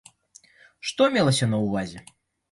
Што мелася на ўвазе?